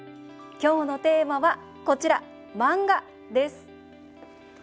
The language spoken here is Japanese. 今日のテーマは、こちら漫画です。